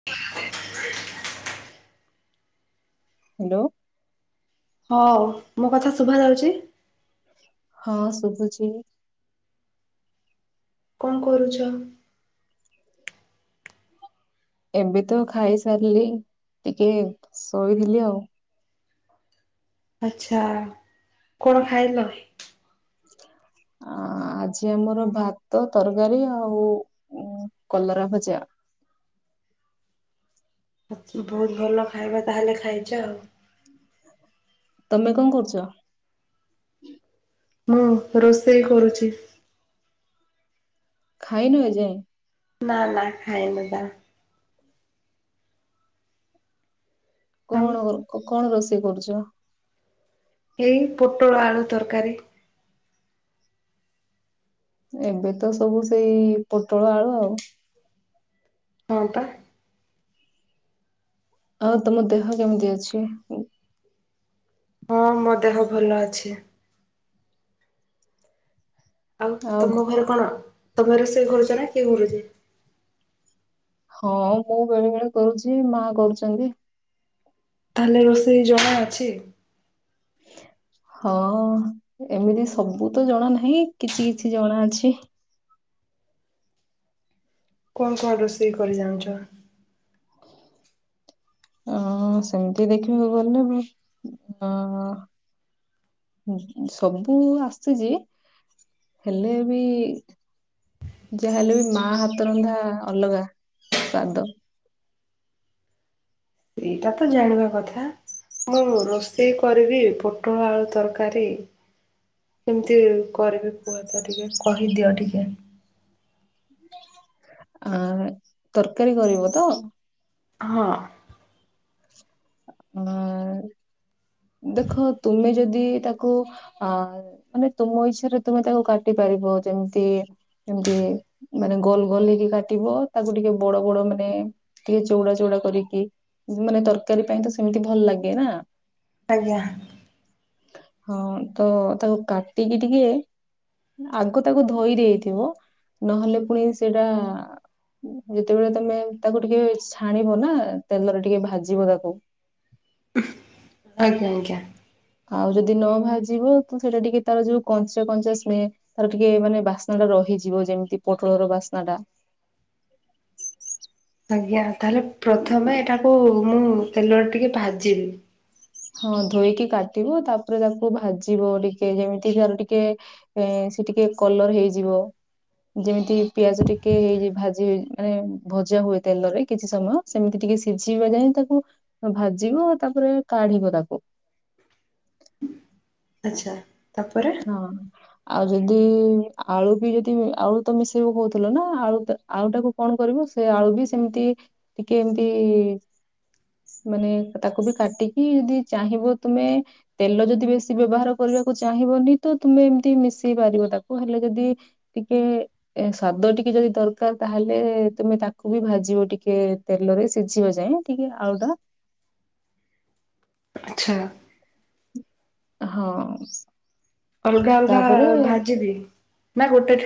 [inaudible] Hello. ହଁ ମୋ କଥା ଶୁଭା ଯାଉଛି? ହଁ ଶୁଭୁଛି। କଣ କରୁଛ? ଏବେ ତ ଖାଇସାରିଲି ଟିକେ ଶୋଇଥିଲି ଆଉ। ଆଛା କଣ ଖାଇଲ? ଆଁ ଆଜି ଆମର ଭାତ ତରକାରୀ ଆଉ କଲରା ଭଜା। ବହୁତ ଭଲ ଖାଇବା ତାହେଲେ ଖାଇଛ ଆଉ। ତମେ କଣ କରୁଛ? ମୁଁ ରୋଷେଇ କରୁଛି। ଖାଇନୁ ଏଯାଏ। ନା ନା ଖାଇନି ପା। ଆଉ କଣ କଣ ରୋଷେଇ କରୁଛ? ଏଇ ପୋଟଳ ଆଳୁ ତରକାରୀ। ଏବେ ତ ସବୁ ସେଇ ପୋଟଳ ଆଳୁ ଆଉ। ହଁ ପା। ଆଉ ତମ ଦେହ କେମିତି ଅଛି? ହଁ ମୋ ଦେହ ଭଲ ଅଛି। ଆଉ ତମ ଘରେ କଣ ତମେ ରୋଷେଇ କରୁଛ ନା କିଏ କରୁଛି? ହଁ ମୁଁ ବେଳେବେଳେ କରୁଛି ମା କରୁଚନ୍ତି। ତାହେଲେ ରୋଷେଇ ଜଣାଅଛି। ହଁ ଏମିତି ସବୁ ତ ଜଣା ନାହିଁ କିଛି କିଛି ଜଣାଅଛି। କଣ କଣ ରୋଷେଇ କରି ଜାଣିଚ? ହଁ ସେମିତି ଦେଖିବାକୁ ଗଲେ ମୁଁ ଅଁ ସବୁ ଆସିଛି ହେଲେ ବି ଯାହାହେଲେ ବି ମା ହାତରନ୍ଧା ଅଲଗା ସ୍ବାଦ। ଏଇଟା ତ ଜାଣିବା କଥା। ମୁଁ ରୋଷେଇ କରିବି ପୋଟଳ ଆଳୁ ତରକାରୀ। କେମିତି କରିବି କୁହ ତ ଟିକେ କହିଦିଅ ଟିକେ। [inaudible] ଆ ତରକାରୀ କରିବ ତ ହଁ ଅଁ ଦେଖ ତୁମେ ଯଦି ତାକୁ ଅ ମାନେ ତୁମ ଇଚ୍ଛାରେ ତୁମେ ତାକୁ କାଟିପାରିବ ଯେମତି ଏମତି ମାନେ ଗୋଲ ଗୋଲ ହେଇକି କାଟିବ ତାକୁ ଟିକେ ବଡ ବଡ ମାନେ ଟିକେ ଚଉଡା ଚଉଡା କରିକି ମାନେ ତରକାରୀ ପାଇଁ ତ ସେମିତି ଭଲ ଲାଗେ ନା ଆଜ୍ଞା। ହଁ ତ ତାକୁ କାଟିକି ଟିକେ ଆଗ ତାକୁ ଧୋଇ ଦେଇଥିବ ନହେଲେ ପୁଣି ସେଇଟା ଯେତେବେଳେ ତମେ ତାକୁ ଟିକେ ଛାଣିବ ନା ତେଲରେ ଟିକେ ଭାଜିବ ତା [inaudible] ଆଜ୍ଞା ଆଜ୍ଞା ଆଉ ଯଦି ନ ଭାଜିବ ତ ସେଇଟା ଟିକେ ତାର ଯୋଉ କଞ୍ଚା କଞ୍ଚା ସ୍ମେ ତାର ଟିକେ ମାନେ ବାସ୍ନାଟା ରହିଯିବ ଯେମିତି ପୋଟଳର ବାସ୍ନାଟା। ଆଜ୍ଞା ତାହେଲେ ପ୍ରଥମେ ଏଇଟାକୁ ମୁଁ ତେଲରେ ଟିକେ ଭାଜିବି। ହଁ ଧୋଇକି କାଟିବ ତାପରେ ତାକୁ ଭାଜିବ ଟିକେ ଯେମିତି ତାର ଟିକେ ଏ ସେ ଟିକେ କଲର ହେଇଯିବ ଯେମିତିକି ପିଆଜ ଟିକେ ହେଇ ଭାଜି ମାନେ ଭଜା ହୁଏ ତେଲରେ କିଛି ସମୟ ସେମିତି ଟିକେ ସିଝିବା ଯାଏ ତାକୁ ଭାଜିବ ତାପରେ କାଢିବ ତାକୁ। ଆଚ୍ଛା। ତାପରେ ହଁ। ଆଉ ଯଦି ଆଳୁ ବି ଯଦି ଆଳୁ ତ ମିଶେଇବ କହୁଥିଲ ନା ଆଳୁ ତ ଆଳୁ ଟାକୁ କଣ କରିବୁ ସେ ଆଳୁ ବି ସେମିତି ଟିକେ ଏମିତି ମାନେ ତାକୁ ବି କାଟିକି ଯଦି ଚାହିଁବ ତୁମେ ତେଲ ଯଦି ବେଶୀ ବ୍ୟବହାର କରିବାକୁ ଚାହିଁବନି ତ ତୁମେ ଏମିତି ମିଶେଇ ପାରିବ ତାକୁ ହେଲେ ଯଦି ଟିକେ ସ୍ବାଦ ଟିକେ ଯଦି ଦରକାର ତାହେଲେ ତମେ ତାକୁ ବି ଭାଜିବ ଟିକେ ତେଲରେ ସିଝିବା ଯାଏଁ ଟିକେ ଆଳୁଟା। ଆଚ୍ଛା। ହଁ। ଅଲଗା ଅଲଗା ତାପରେ ଭାଜିବି ନା ଗୋଟେ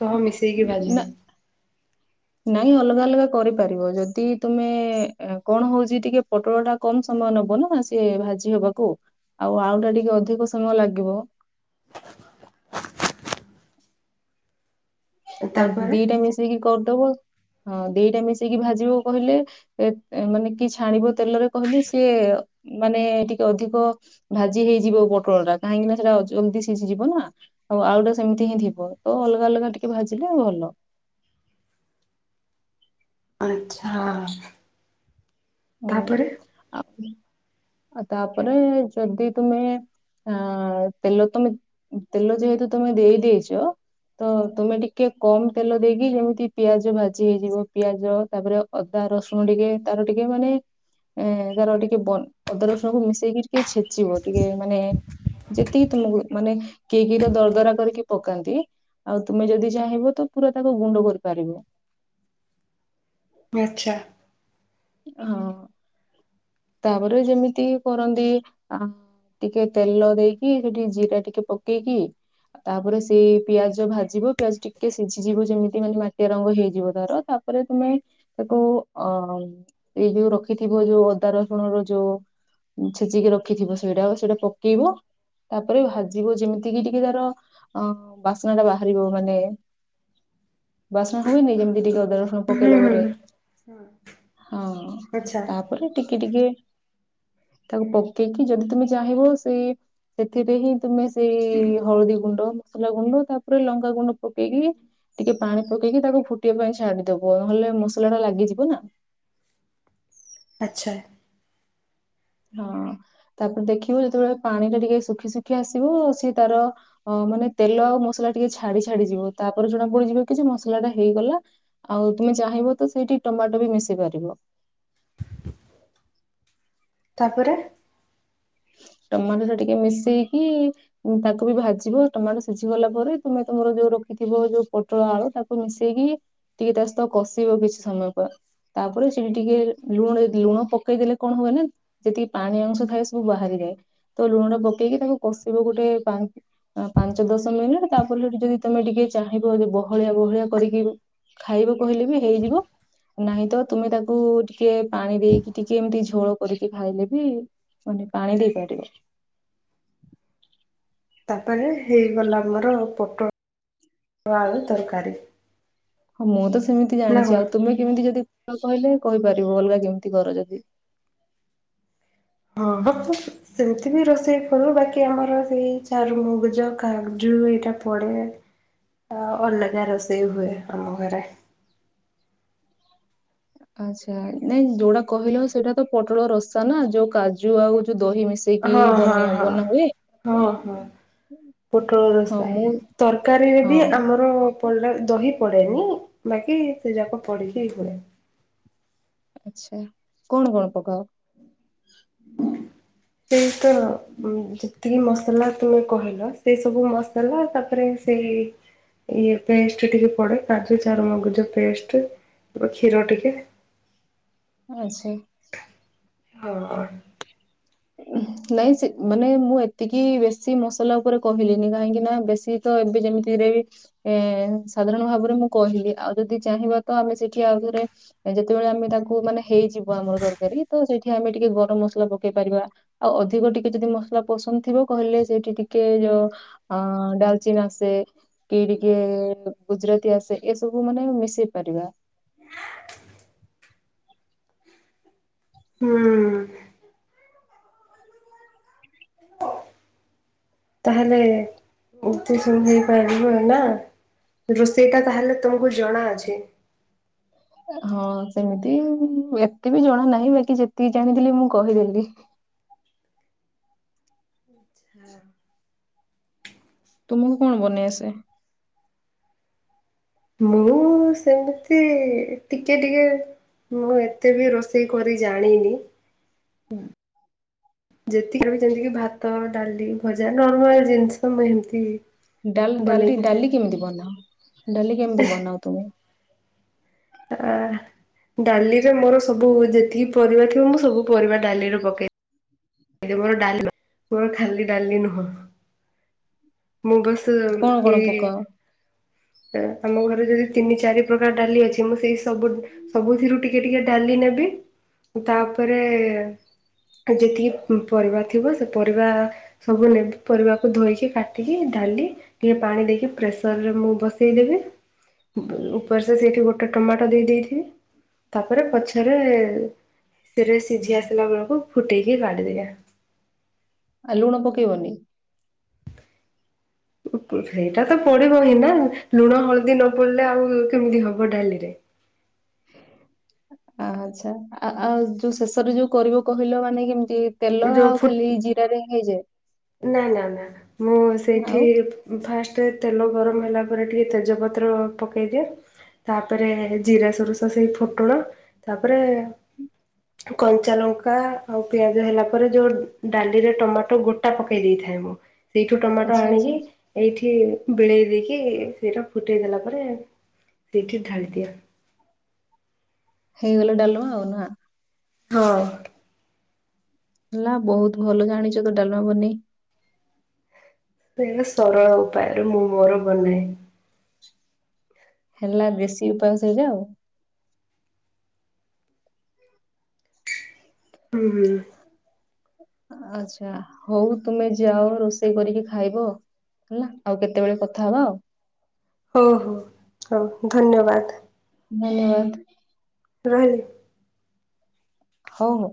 ସହ ମିଶେଇକି ନା ଭାଜିବି? ନାଇଁ ଅଲଗା ଅଲଗା କରିପାରିବ। ଯଦି ତୁମେ କଣ ହଉଛି ଟିକେ ପୋଟଳଟା କମ୍ ସମୟ ନବ ନା ସିଏ ଭାଜି ହବାକୁ। ଆଉ ଆଳୁଟା ଟିକେ ଅଧିକ ସମୟ ଲାଗିବ। ଆଉ ତାପରେ ଦିଟା ମିଶେଇକି କରିଦବ ହଁ ଦିଟା ମିଶେଇକି ଭାଜିବ କହିଲେ ଏ ମାନେ କି ଛାଣିବ ତେଲରେ କହିଲେ ସିଏ ମାନେ ଟିକେ ଅଧିକ ଭାଜି ହେଇଯିବ ପୋଟଳଟା। କାହିଁକି ନା ସେଇଟା ଜଲଦି ସିଝିଯିବ ନା। ଆଉ ଆଳୁଟା ସେମିତି ହିଁ ଥିବ। ତ ଅଲଗା ଅଲଗା ଟିକେ ଭାଜିଲେ ଭଲ। ଆଚ୍ଛା। ହୁଁ। ତାପରେ ତାପରେ ଯଦି ତୁମେ ହଁ ତେଲ ତମେ ତେଲ ଯେହେତୁ ତମେ ଦେଇ ଦେଇଚ ତ ତୁମେ ଟିକେ କମ ତେଲ ଦେଇକି ଯେମିତି ପିଆଜ ଭାଜି ହେଇଯିବ ପିଆଜ ତାପରେ ଅଦା ରସୁଣ ଟିକେ ତାର ଟିକେ ମାନେ ଏ ତାର ଟିକେ ବ ଅଦା ରସୁଣକୁ ମିଶେଇକି ଟିକେ ଛେଚିବ ଟିକେ ମାନେ ଯେତିକି ତମକୁ ମାନେ କେହି କେହି ତ ଦରଦରା କରିକି ପକାନ୍ତି। ଆଉ ତୁମେ ଯଦି ଚାହିଁବ ତ ପୁରା ତାକୁ ଗୁଣ୍ଡ କରିପାରିବ। ଆଚ୍ଛା। ହଁ। ତାପରେ ଯେମିତି କରନ୍ତି ଟିକେ ତେଲ ଦେଇକି ସେଠିକି ଜିରା ଟିକେ ପକେଇକି ତାପରେ ସେ ପିଆଜ ଭାଜିବ ପିଆଜ ଟିକେ ସିଝିଯିବ ଯେମିତି ମାନେ ମାଟିଆ ରଙ୍ଗ ହେଇଯିବ ତାର ତାପରେ ପରେ ତୁମେ ତାକୁ ଅ ଏଇ ଯୋଉ ରଖିଥିବ ଯୋଉ ଅଦା ରସୁଣ ର ଯୋଉ ଛେଚିକି ରଖିଥିବ ସେଇଟା ସେଇଟା ପକେଇବ। ତାପରେ ଭାଜିବ ଯେମିତି କିି ଟିକେ ତାର ଅ ବାସ୍ନା ଟା ବାହାରିବ ମାନେ ବାସ୍ନା ହୁଏନି ଯେମିତି ଟିକେ ଅଦାର ପକେଇଲା ପରେ। ହଁ। ହଁ ତାପରେ ଟିକେ ଟିକେ ତାକୁ ପକେଇକି ଯଦି ତମେ ଚାହିଁବ ସେ ସେଥିରେ ହିଁ ତୁମେ ସେଇ ହଳଦୀ ଗୁଣ୍ଡ ମସଲା ଗୁଣ୍ଡ ତାପରେ ଲଙ୍କା ଗୁଣ୍ଡ ପକେଇକି ଟିକେ ପାଣି ପକେଇକି ତାକୁ ଫୁଟିବା ପାଇଁ ଛାଡିଦବ। ନହେଲେ ମସଲା ଟା ଲାଗିଯିବ ନା। ଆଚ୍ଛା। ହଁ। ତାପରେ ଦେଖିବ ଯେତେବେଳେ ପାଣି ଟା ଟିକେ ଶୁଖି ଶୁଖି ଆସିବ ସିଏ ତାର ହଁ ମାନେ ତେଲ ଆଉ ମସଲା ଟିକେ ଛାଡି ଛାଡି ଯିବ। ତାପରେ ଜଣା ପଡିଯିବ କି ସେ ମସଲା ଟା ହେଇଗଲା। ଆଉ ତୁମେ ଚାହିଁବ ତ ସେଇଠି ଟମାଟୋ ବି ମିଶେଇ ପାରିବ। ତାପରେ ଟମାଟୋ ଟା ଟିକେ ମିଶେଇକି ତାକୁ ବି ଭାଜିବ ଟମାଟୋ ସିଝି ଗଲା ପରେ ତମେ ତମର ଯୋଉ ରଖିଥିବ ଯୋଉ ପୋଟଳ ଆଳୁ ତାକୁ ମିଶେଇକି ଟିକେ ତା ସହିତ କଷିବ କିଛି ସମୟ ପା ତାପରେ ସେଠି ଟିକେ ଲୁଣ ଯଦି ଲୁଣ ପକେଇଦଲେ କଣ ହୁଏ ନା ଯେତିକି ପାଣି ଅଂଶ ଥାଏ ସବୁ ବାହାରି ଯାଏ ତ ଲୁଣ ଟା ପକେଇକି ତାକୁ କଷିବ ଗୋଟେ ପାଇଁ ଆଁ ପାଞ୍ଚ ଦଶ ମିନିଟ ତାପଲି ହେଟୁ ଯଦି ତମେ ଟିକେ ଚାହିଁବ ବହଳିଆ ବହଳିଆ କରିକି ଖାଇବ କହିଲେ ବି ହେଇଯିବ। ନାଇ ତ ତୁମେ ତାକୁ ଟିକେ ପାଣି ଦେଇକି ଟିକେ ଏମିତି ଝୋଳ କରିକି ଖାଇଲେବି ତମେ ଟିକେ ପାଣି ଦେଇପାରେ। ତାପରେ ହେଇଗଲା ଆମର ପୋଟଳ ଆଳୁ ତରକାରୀ। ହଁ ମୁଁ ତ ସେମିତି ନା ଜାଣିଚି ଆଉ କଣ? ତୁମେ କେମିତି ଯଦି କଣ କହିଲେ କହିପାରିବ ଅଲଗା କେମିତି କରାଯାଏ। ହଁ [unintelligible] ସେମିତି ବି ରୋଷେଇ କରଲୁ ବାକି ଆମର ସେଇ ଚାରୁମୁଗୁଜ କାଗଜୁ ଏଇଟା ପଡ଼େ। ଆ ଅଲଗା ରୋଷେଇ ହୁଏ ଆମ ଘରେ। ଆଛା ନାଇଁ ଯୋଉଟା କହିଲ ସେଇଟା ତ ପୋଟଳ ରସ ତ ନା ଯୋଉ କାଜୁ ଆଉ ଯୋଉ ଦହି ମିଶା। ହଁ ହଁ ହଁ ହଁ ହଁ। ପୋଟଳ ହଁ ରସା ମୁଁ ତରକାରୀରେ ବି ହଁ ଆମର ପଡଲା ଦହି ପଡେନି ବାକି ସେ ଯାକ ପଡିକି ହୁଏ। ଆଛା କଣ କଣ ପକାଅ? ସେଇ ତ ଯେତିକି ମସଲା ତୁମେ କହିଲ ସେ ସବୁ ମସଲା ତାପରେ ସେଇ ଇଏ ପେଷ୍ଟ ଟିକେ ପଡେ କାଜୁ ଚାରୁମଗଜ ପେଷ୍ଟ ତାପରେ କ୍ଷୀର ଟିକେ ଆଛି। ଓହୋ। ହ [inaudible] ନାଇଁ ସେ ମାନେ ମୁଁ ଏତିକି ବେଶୀ ମସଲା ଉପରେ କହିଲିିନି କାହିଁକି ନା ବେଶୀ ତ ଏବେ ଯେମିତିରେ ବି ଏ ସାଧାରଣ ଭାବରେ ମୁଁ କହିଲି ଆଉ ଯଦି ଚାହିଁବା ତ ଆମେ ସେଠି ଆଉଥରେ ଯେତେବେଳେ ଆମେ ତାକୁ ମାନେ ହେଇଯିବ ଆମର ତରକାରୀ ତ ସେଇଠି ଆମେ ଟିକେ ଗରମ ମସଲା ପକେଇ ପାରିବା। ଆଉ ଅଧିକ ଟିକେ ଯଦି ମସଲା ପସନ୍ଦ ଥିବ କହିଲେ ସେଇଠି ଟିକେ ଯ ଅ ଡାଲଚିନ୍ ଆସେ କି ଟିକେ ଗୁଜୁରାତି ଆସେ ଏ ସବୁ ମାନେ ମିଶେଇ ପାରିବା। ହୁଁ। ତାହେଲେ ଏତେ ସବୁ ହେଇପାରିବ ନା। ରୋଷେଇଟା ତାହେଲେ ତମକୁ ଜଣା ଅଛି। ହଁ ସେମିତି ଏତେ ବି ଜଣା ନାହିଁ ବାକି ଯେତିକି ଜାଣିଥିଲି ମୁଁ କହିଦେଲି। ଛା ତୁମକୁ କଣ ବନେଇ ଆସେ? ମୁଁ ସେମିତି ଟିକେ ଟିକେ ମୁଁ ଏତେ ବି ରୋଷେଇ କରି ଜାଣିନି ଯେତିକି ବି ଯେମିତିକି ଭାତ ଡାଲି ଭଜା ନର୍ମାଲ ଜିନିଷ ମୁଁ ଏମତି ଡାଲ ଡାଲି ଡାଲି କେମିତି ବନାଅ ଡାଲି କେମିତି ବନାଅ ତୁମେ? ଆ ଡାଲିରେ ମୋର ସବୁ ଯେତିକି ପରିବା ଥିବ ମୁଁ ସବୁ ପରିବା ଡାଲିରେ ପକେଇ ଏଥି ମୋର ଡାଲମା ମୋର ଖାଲି ଡାଲି ନୁହଁ ମୁଁ ବସ ସମ୍ କଣ କଣ ଏଇ ପକାଅ? ଅ ଆମ ଘରେ ଯଦି ତିନି ଚାରି ପ୍ରକାର ଡାଲି ଅଛି ମୁଁ ସେଇ ସବୁ ସବୁଥିରୁ ଟିକେ ଟିକେ ଡାଲି ନେବି ତାପରେ କି ଯେତିକି ଉଁ ପରିବା ଥିବ ସେ ପରିବା ସବୁ ନେ ପରିବାକୁ ଧୋଇକି କାଟିକି ଢାଲି ଟିକେ ପାଣି ଦେଇକି ପ୍ରେସର ରେ ମୁଁ ବସେଇଦେବି। ବେ ଉପରସେ ସେଇଠି ଗୋଟେ ଟମାଟୋ ଦେଇ ଦେଇଥିବି ତାପରେ ପଛରେ ସେରା ସିଝି ଆସିଲା ବେଳକୁ ଫୁଟେଇକି କାଢିଦେବା। [unintelligible] ଆ ଲୁଣ ପକେଇବନି? ସେଇଟା ତ ପଡିବ ହିଁ ନା ଲୁଣ ହଳଦୀ ନ ପଡିଲେ ଆଉ କେମିତି ହବ ଡାଲିରେ। ଆଚ୍ଛା ଆଉ ଯୋଉ ଶେଷରେ ଯୋଉ କରିବ କହିଲ ମାନେ କେମିତି ତେଲ ଯୋଉ ଆଉ ଫୁ ଖାଲି ଜିରା ହିଁ ହେଇଯାଏ? ନା ନା ନା ମୁଁ ଆଉ ସେଇଠି ଫାଷ୍ଟ ତେଲ ଗରମ ହେଲା ପରେ ଟିକିଏ ତେଜପତ୍ର ପକାଇଦିଏ ତାପରେ ଜିରା ସୋରୁସ ସେଇ ଫୁଟୁଣ ତାପରେ କଞ୍ଚା ଲଙ୍କା ଆଉ ପିଆଜ ହେଲା ପରେ ଯୋଉ ଡାଲିରେ ଟମାଟୋ ଗୋ ଟା ପକେଇ ଦେଇଥାଏ ମୁଁ ସେଇଠୁ ଟମାଟୋ ଆଚ୍ଛା ଆଚ୍ଛା ଆଣିକି ଏଇଠି ବିଳେଇ ଦେଇକି ସେଇଟା ଫୁଟେଇ ଦେଲା ପରେ ସେଇଠି ଢାଳି ଦିଆ ହେଇଗଲେ ଡାଲୁ ଆଉ ନାଁ। ହଁ। ହେଲା ବହୁତ ଭଲ ଜାଣିଛ ତ ଡାଲମା ବନେଇ। ତ ସରଳ ଉପାୟରେ ମୁଁ ମୋର ବନାଏ। ହେଲା ଦେଶୀ ଉପାୟସ ହେଇଟା ଆଉ। ହୁଁ ହୁଁ। ଆଛା ହଉ ତୁମେ ଯାଅ ରୋଷେଇ କରିକି ଖାଇବ। ହେଲା ଆଉ କେତେବେଳେ କଥା ହବା ଆଉ। ହଉ ହଉ ହଉ ଧନ୍ୟବାଦ। ଧନ୍ୟବାଦ। ରହିଲି। ହଉ।